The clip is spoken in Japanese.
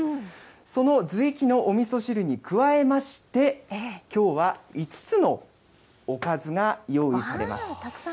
そのずいきのおみそ汁に加えまして、きょうは５つのおかずが用意されます。